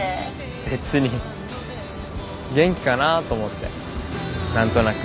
別に元気かなぁと思って何となく。